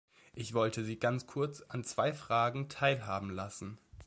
Ich wollte Sie ganz kurz an zwei Fragen teilhaben lassen.